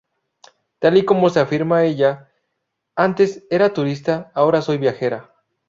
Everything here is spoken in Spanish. Tal y como afirma ella, "antes era turista, ahora soy viajera".